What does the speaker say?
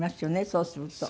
そうすると。